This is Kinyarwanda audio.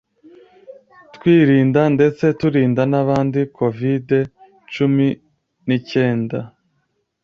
twirinda ndetse turinda n’abandi Covid-cumi nicyenda